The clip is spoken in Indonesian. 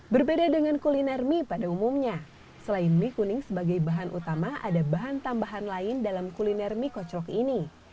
berbeda dengan kuliner mie pada umumnya selain mie kuning sebagai bahan utama ada bahan tambahan lain dalam kuliner mie kocok ini